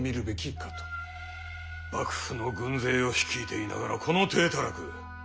幕府の軍勢を率いていながらこの体たらく。